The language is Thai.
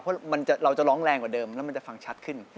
เพราะเราจะร้องแรงกว่าเดิมแล้วมันจะฟังชัดขึ้น